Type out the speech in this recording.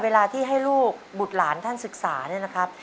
เวลาที่ให้ลูกบุตรหลานท่านศึกษาเนี่ยนะครับ